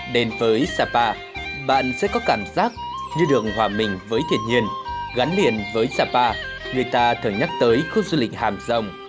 đến với sapa bạn sẽ có cảm giác như được hòa bình với thiệt nhiên gắn liền với sapa người ta thường nhắc tới khu du lịch hàm rộng